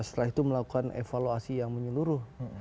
setelah itu melakukan evaluasi yang menyeluruh